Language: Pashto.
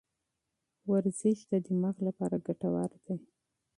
ورزش د دماغ لپاره ګټور دی.